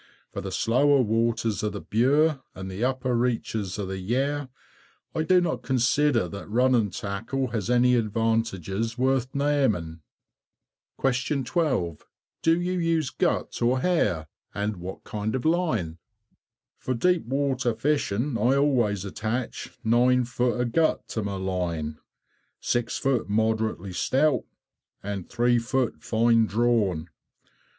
For the slower waters of the Bure and the upper reaches of the Yare, I do not consider that running tackle has any advantages worth naming. 12. Do you use gut or hair, and what kind of line? For deep water fishing I always attach nine feet of gut to my line; six feet moderately stout and three feet fine drawn.